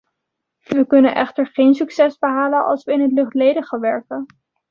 We kunnen echter geen succes behalen als we in het luchtledige werken.